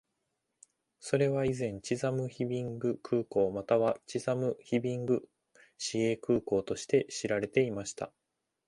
それは以前、チザム・ヒビング空港またはチザム・ヒビング市営空港として知られていました。